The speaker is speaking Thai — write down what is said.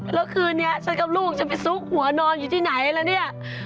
แล้วคืนนี้ฉันกับลูกฉันไปซุกหัวนอนอยู่ที่ไหนล่ะเนี่ย